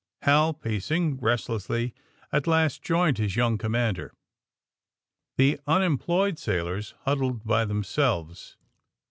Hal, pacing rest lessly, at last joined his young commander. The unemployed sailors huddled by themselves.